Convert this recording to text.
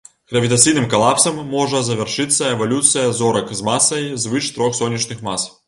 Гравітацыйным калапсам можа завяршацца эвалюцыя зорак з масай звыш трох сонечных мас.